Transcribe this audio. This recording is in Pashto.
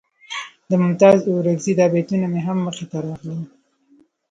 د ممتاز اورکزي دا بیتونه مې هم مخې ته راغلل.